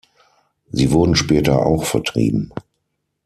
Sie wurden später auch vertrieben.